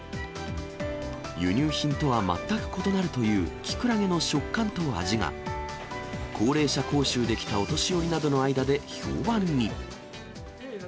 輸入品とは全く異なるという、キクラゲの食感と味が、高齢者講習で来たお年寄りなどの間で評判に。